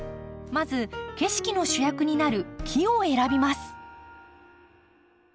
まず景色の主役になる木を選びます。